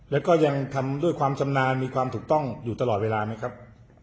แล้วก็ยังทำด้วยความชำนาญมีความถูกต้องอยู่ตลอดเวลาไหมครับ